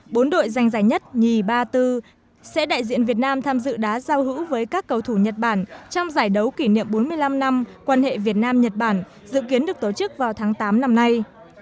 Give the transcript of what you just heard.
bốn đội danh giải nhất nhì ba bốn sẽ đại diện việt nam tham dự đá giao hữu với các cầu thủ nhật bản trong giải đấu kỷ niệm bốn mươi năm năm quan hệ việt nam nhật bản dự kiến được tổ chức vào tháng tám năm nay